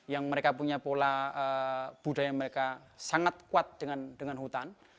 yang mereka punya pola budaya mereka sangat kuat dengan hutan